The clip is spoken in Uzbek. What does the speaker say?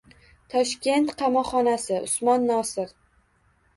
Toshkent qamoqxonasi. Usmon Nosir.